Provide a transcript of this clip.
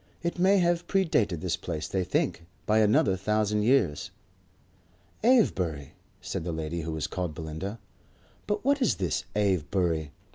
It may have predated this place, they think, by another thousand years." "Avebury?" said the lady who was called Belinda. "But what is this Avebury?"